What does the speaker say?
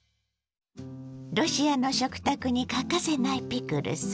ロシアの食卓に欠かせないピクルス。